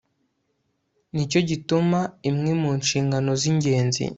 Nicyo gituma imwe mu nshingano zingenzi